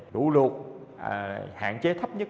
đủ lụt hạn chế thấp nhất